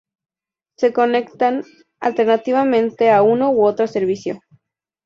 Se conectan alternativamente a uno u otro servicio.